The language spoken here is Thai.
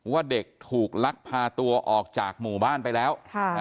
ว่าเด็กถูกลักพาตัวออกจากหมู่บ้านไปแล้ว